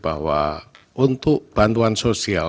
bahwa untuk bantuan sosial